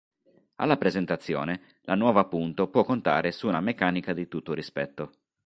Alla presentazione la Nuova Punto può contare su una meccanica di tutto rispetto.